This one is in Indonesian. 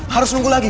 harus nunggu lagi